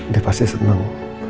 dia pasti senang